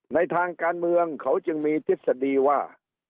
ในทางการเมืองเขาจึงมีทฤษฎีว่า